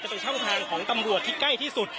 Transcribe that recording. เป็นช่องทางของตำรวจที่ใกล้ที่สุด